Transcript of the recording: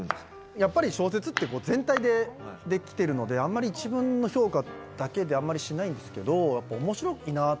やっぱり小説って全体で出来てるのであんまり一文の評価だけであんまりしないんですけど。